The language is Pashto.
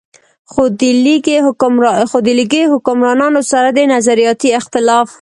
خو د ليګي حکمرانانو سره د نظرياتي اختلاف